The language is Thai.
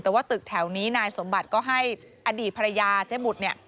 แต่ว่าตึกแถวนี้นายสมบัติก็ให้อดีตภรรยาเจ๊บุตรเนี่ย